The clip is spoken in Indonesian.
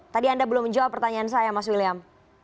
tadi anda belum menjawab pertanyaan saya mas william